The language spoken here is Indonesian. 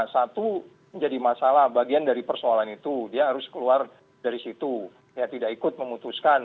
satu menjadi masalah bagian dari persoalan itu dia harus keluar dari situ ya tidak ikut memutuskan